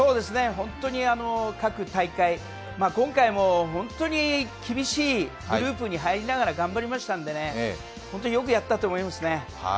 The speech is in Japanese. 本当に各大会、今回も本当に厳しいグループに入りながら頑張りましたのでね、本当によくやったと思いますね。